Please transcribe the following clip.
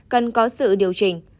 cần có sự điều chỉnh